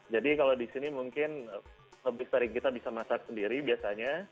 kalau di sini mungkin lebih sering kita bisa masak sendiri biasanya